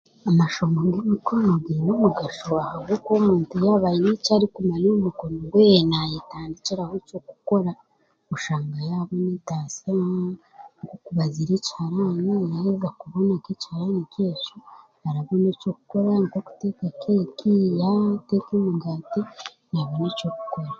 Amashomo g'eby'emikono gaine omugasho ahakuba omuntu yaaba haine ekyarikumanya naayetandikiraho eky'okukora oshanga yaabona entaasa nk'okubaazira ekiharani yaayega kuboba nk'ekiharaani nk'ekyo arabonona ekyokukora, okuteeka keeki, okuteeka emigaati naabona eky'okukora